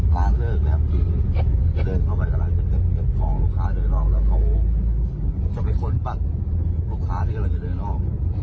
จะพอลูกค้าโดยนอกแล้วเขาจะไปค้นปั้นลูกค้าที่กำลังโดยนอก